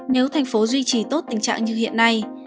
nếu thành phố duy trì tốt tình trạng như hiện nay